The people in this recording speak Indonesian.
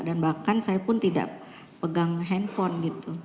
dan bahkan saya pun tidak pegang handphone gitu